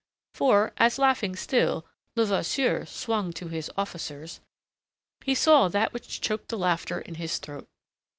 For as, laughing still, Levasseur swung to his officers, he saw that which choked the laughter in his throat.